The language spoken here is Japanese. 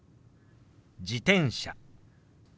「自転車」。